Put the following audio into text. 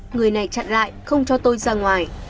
người này chặn lại không cho tôi ra ngoài